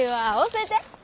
教えて！